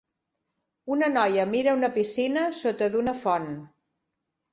Una noia mira una piscina sota d"una font.